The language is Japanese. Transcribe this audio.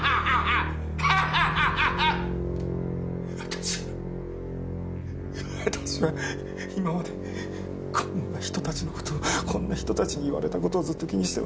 私は私は今までこんな人たちの事をこんな人たちに言われた事をずっと気にして。